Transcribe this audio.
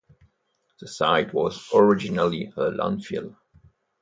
The site was originally a landfill.